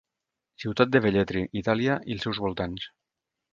Ciutat de Velletri, Itàlia, i els seus voltants.